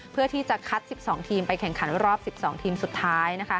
เพื่อที่จะคัด๑๒ทีมไปแข่งขันรอบ๑๒ทีมสุดท้ายนะคะ